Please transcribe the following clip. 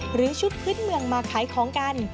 หรือชุดพื้นเมืองมาขายของกัน